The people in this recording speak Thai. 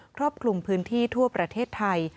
ครอบคลุมพื้นที่ทั่วประเทศไทย